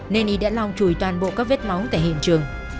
nên y đã lau chùi toàn bộ các vết máu tại hiện trường